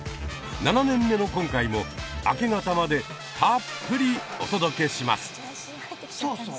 ７年目の今回も明け方までたっぷりお届けします！